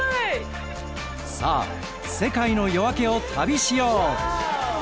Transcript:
さあ世界の夜明けを旅しよう！